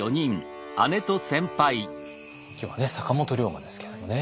今日は坂本龍馬ですけれどもね。